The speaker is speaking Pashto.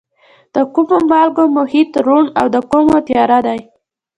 د کومو مالګو محیط روڼ او د کومو تیاره دی؟